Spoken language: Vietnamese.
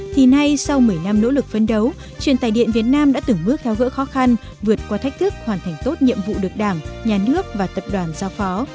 thì nay sau một mươi năm nỗ lực phấn đấu truyền tài điện việt nam đã từng bước theo gỡ khó khăn vượt qua thách thức hoàn thành tốt nhiệm vụ được đảng nhà nước và tập đoàn giao phó